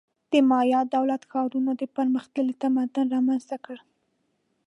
د مایا دولت-ښارونو پرمختللی تمدن رامنځته کړ.